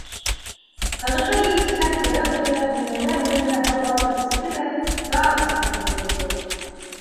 Ҡыҙыҡай сүместән көлә-көлә, һөйләнә-һөйләнә һыу алып эсте лә тағы сығып йүгерҙе.